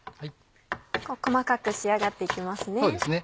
細かく仕上がって行きますね。